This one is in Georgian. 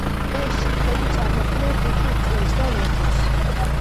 ეს ჯირკვლები წარმოქმნიან კუჭის წვენს და ლორწოს.